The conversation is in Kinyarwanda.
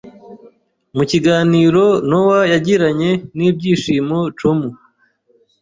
Mu kiganiro Nowa yagiranye n’Ibyishimo comu